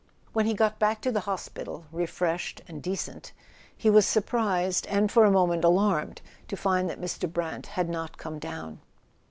When he got back to the hospital, refreshed and decent, he was surprised, and for a moment alarmed, to find that Mr. Brant had not come down.